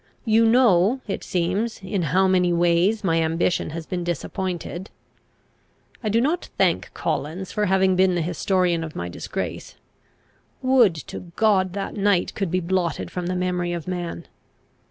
You know, it seems, in how many ways my ambition has been disappointed, I do not thank Collins for having been the historian of my disgrace, would to God that night could be blotted from the memory of man!